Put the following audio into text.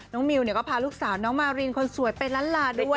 มิวก็พาลูกสาวน้องมารินคนสวยไปล้านลาด้วย